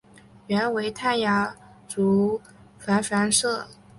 原为泰雅族芃芃社。